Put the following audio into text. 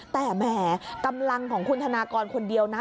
แต่แหมกำลังของคุณธนากรคนเดียวนะ